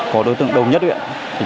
có đối tượng đông nhất huyện